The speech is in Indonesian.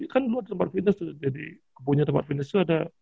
kan luar tempat fitness tuh